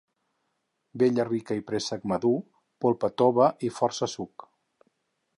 Vella rica i préssec madur, polpa tova i força suc.